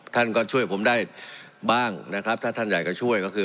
ท่านก็ช่วยผมได้บ้างนะครับถ้าท่านอยากจะช่วยก็คือ